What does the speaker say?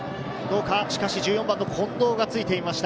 １４番の近藤がついていました。